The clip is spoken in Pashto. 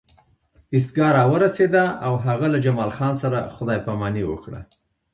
ایستګاه راورسېده او هغه له جمال خان سره خدای پاماني وکړه